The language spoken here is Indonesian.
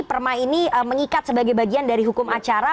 perma ini mengikat sebagai bagian dari hukum acara